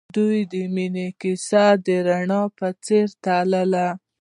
د دوی د مینې کیسه د رڼا په څېر تلله.